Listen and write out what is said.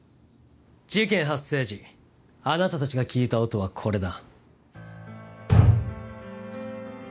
事件発生時あなたたちが聞いた音はこれだ。